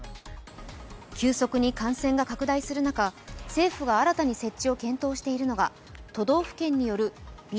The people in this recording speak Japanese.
急速に感染が拡大する中政府が新たに設置を検討しているのが都道府県によるＢＡ．